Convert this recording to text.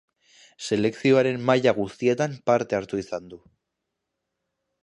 Selekzioaren maila guztietan parte hartu izan du.